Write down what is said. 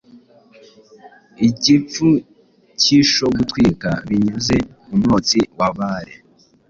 Igipfukishogutwika Binyuze mu mwotsi wa bale